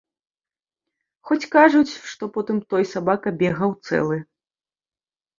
Хоць кажуць, што потым той сабака бегаў цэлы.